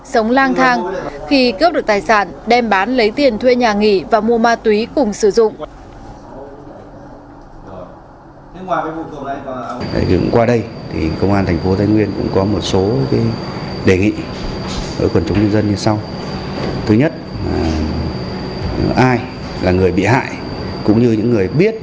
sống lang thang khi cướp được tài sản đem bán lấy tiền thuê nhà nghỉ và mua ma túy cùng sử dụng